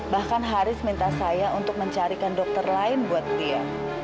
bahkan haris minta saya untuk mencarikan dokter lain buat dia